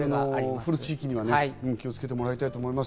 降る地域には、気をつけてもらいたいと思います。